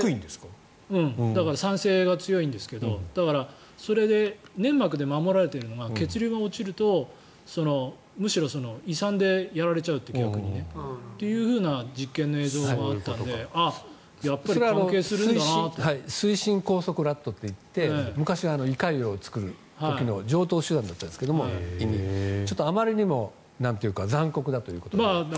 酸性が強いんですけどだから、それで粘膜で守られているのが血流が落ちると、逆にむしろ胃酸でやられちゃうという実験の映像があったので水浸拘束ラットといって昔は胃潰瘍を作る時の常とう手段だったんですがあまりにも残酷だということで。